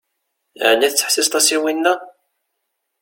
Ɛni tettḥessiseḍ-as i winna?